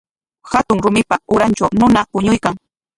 Hatun rumipa urantraw runa puñuykan.